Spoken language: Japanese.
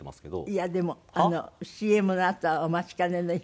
いやでもＣＭのあとはお待ち兼ねの「ヒロシです」。